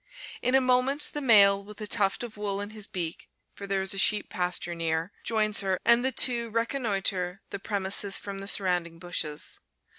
In a moment the male, with a tuft of wool in his beak (for there is a sheep pasture near), joins her, and the two reconnoitre the premises from the surrounding bushes.